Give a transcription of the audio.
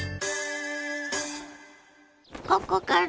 ここから？